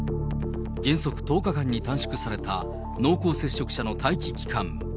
原則１０日間に短縮された濃厚接触者の待期期間。